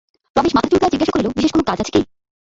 রমেশ মাথা চুলকাইয়া জিজ্ঞাসা করিল, বিশেষ কোনো কাজ আছে কি?